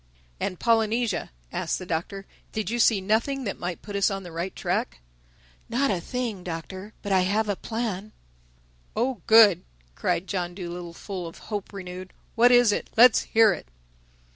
"And Polynesia," asked the Doctor, "did you see nothing that might put us on the right track?" "Not a thing, Doctor—But I have a plan." "Oh good!" cried John Dolittle, full of hope renewed. "What is it? Let's hear it."